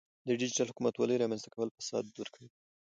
د ډیجیټل حکومتولۍ رامنځته کول فساد ورکوي.